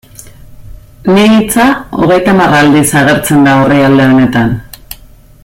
Ni hitza hogeita hamar aldiz agertzen da orrialde honetan.